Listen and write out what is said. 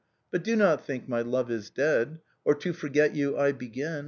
But do not think my love ia dead. Or to forget you I begin.